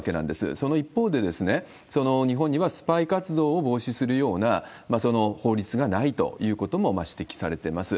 その一方で、日本にはスパイ活動を防止するような法律がないということも指摘されてます。